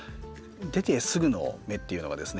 出てすぐの芽っていうのがですね